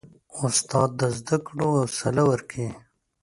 استاد د زده کړو حوصله ورکوي.